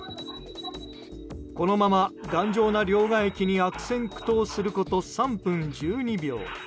このまま頑丈な両替機に悪戦苦闘すること３分１２秒。